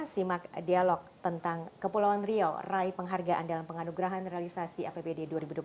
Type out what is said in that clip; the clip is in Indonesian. simak dialog tentang kepulauan riau rai penghargaan dalam penganugerahan realisasi apbd dua ribu dua puluh tiga